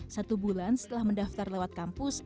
satu bulan setelah mendaftar lewat kampus